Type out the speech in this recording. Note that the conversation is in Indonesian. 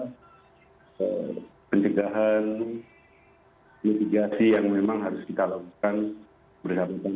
saya tidak peduli bahwa ada pencegahan mitigasi yang memang harus kita lakukan berhadap umum